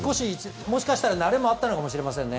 もしかしたら慣れもあったかもしれません。